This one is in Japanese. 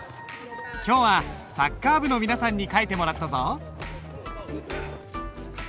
今日はサッカー部の皆さんに書いてもらったぞ。